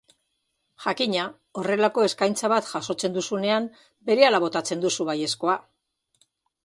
Jakina, horrelako eskaintza bat jasotzen duzunean, berehala botatzen duzu baiezkoa.